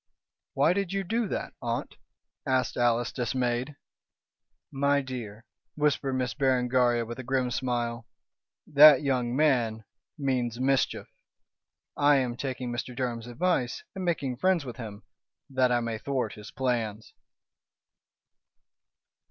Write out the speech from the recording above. "Why did you do that, aunt?" asked Alice, dismayed. "My dear," whispered Miss Berengaria, with a grim smile, "that young man means mischief. I am taking Mr. Durham's advice and making friends with him, that I may thwart his plans."